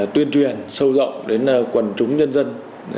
tuyên truyền sâu rộng đến quần chúng dân dân